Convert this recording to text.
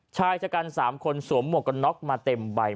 ชายชะกัน๓คนสวมหมวกกันน็อกมาเต็มใบ